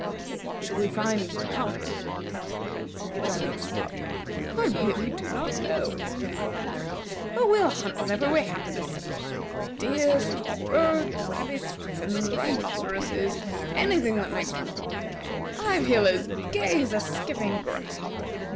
"What shall we find to hunt?" asked the Prince of the Jolly cum pop. "I really do not know," exclaimed the latter, "but we'll hunt whatever we happen to see deer, small birds, rabbits, griffins, rhinoceroses, any thing that comes along. I feel as gay as a skipping grasshopper.